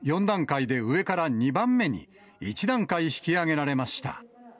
４段階で上から２番目に、１段階引き上げられました。